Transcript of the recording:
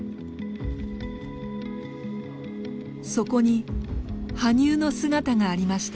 そこに羽生の姿がありました。